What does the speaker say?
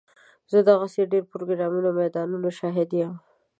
زه د دغسې ډېرو ګرمو میدانونو شاهد یم.